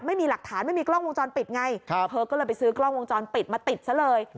ไม่มีหลักฐานไม่มีกล้องวงจรปิดไงเธอก็เลยไปซื้อกล้องวงจรปิดมาติดซะเลย